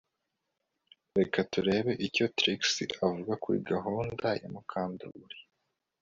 Reka turebe icyo Trix avuga kuri gahunda ya Mukandoli